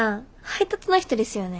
配達の人ですよね？